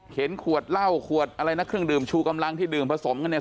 ขวดเหล้าขวดอะไรนะเครื่องดื่มชูกำลังที่ดื่มผสมกันเนี่ย